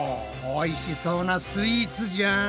おいしそうなスイーツじゃん！